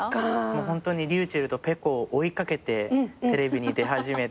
ホントにｒｙｕｃｈｅｌｌとｐｅｃｏを追い掛けてテレビに出始めて。